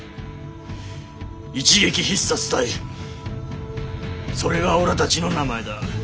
一撃必殺隊それがおらたちの名前だ。